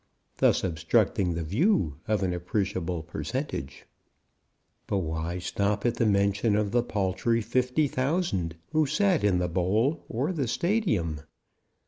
thus obstructing the view of an appreciable percentage. But why stop at the mention of the paltry 50,000 who sat in the Bowl or the Stadium?